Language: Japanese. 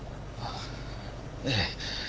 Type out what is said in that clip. ええ。